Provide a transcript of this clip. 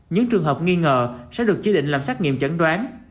những trường hợp nghi ngờ sẽ được chỉ định làm xét nghiệm chẩn đoán